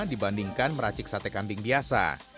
dibandingkan meracik sate kambing biasa